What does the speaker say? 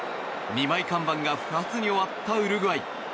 ２枚看板が不発に終わったウルグアイ。